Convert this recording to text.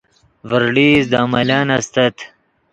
ڤرڑئیست دے ملن استت